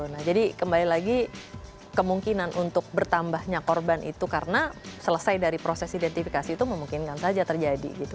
nah jadi kembali lagi kemungkinan untuk bertambahnya korban itu karena selesai dari proses identifikasi itu memungkinkan saja terjadi gitu